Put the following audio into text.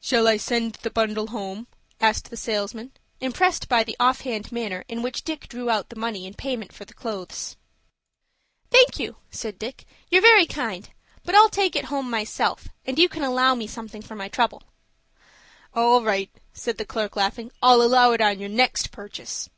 "Shall I send the bundle home?" asked the salesman, impressed by the off hand manner in which Dick drew out the money in payment for the clothes. "Thank you," said Dick, "you're very kind, but I'll take it home myself, and you can allow me something for my trouble." "All right," said the clerk, laughing; "I'll allow it on your next purchase."